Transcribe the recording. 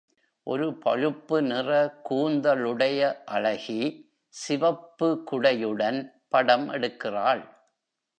ஒரு பழுப்பு நிற கூந்தழுடைய அழகி, சிவப்பு குடையுடன் படம் எடுக்கிறாள்